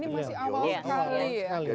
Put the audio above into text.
ini masih awal sekali ya